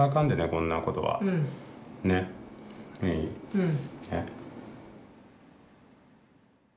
うん。